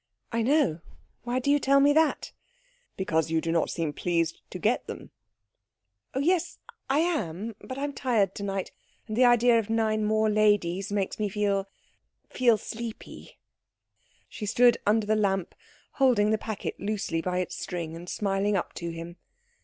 "I know. Why do you tell me that?" "Because you do not seem pleased to get them." "Oh yes, I am; but I am tired to night, and the idea of nine more ladies makes me feel feel sleepy." She stood under the lamp, holding the packet loosely by its string and smiling up to him.